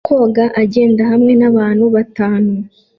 Koga igenda hamwe nabantu batanu